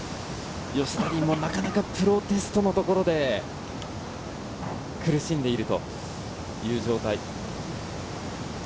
吉田鈴もなかなかプロテストのところで苦しんでいる。